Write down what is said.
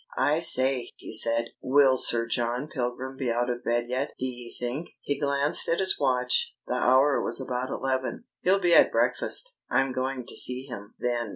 "I say," he said, "will Sir John Pilgrim be out of bed yet, d'ye think?" He glanced at his watch. The hour was about eleven. "He'll be at breakfast." "I'm going to see him, then.